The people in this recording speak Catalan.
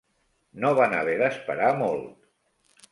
No van haver d'esperar molt.